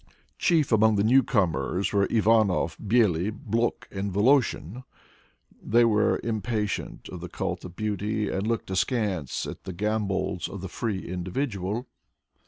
Chief among the newcomers were Ivanov, Bely, Blok and Voloshin. They were impatient of the cult of beauty and looked askance at the gambols of the free individual.